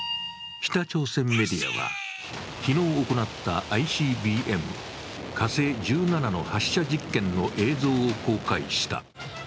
北朝鮮メディアは昨日行ったＩＣＢＭ・火星１７の発射実験の映像を公開した。